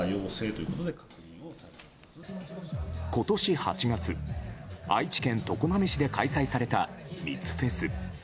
今年８月、愛知県常滑市で開催された密フェス。